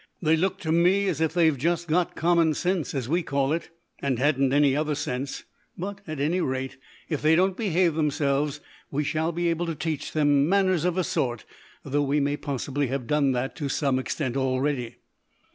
They look to me as if they've just got common sense, as we call it, and hadn't any other sense; but, at any rate, if they don't behave themselves, we shall be able to teach them manners of a sort, though we may possibly have done that to some extent already."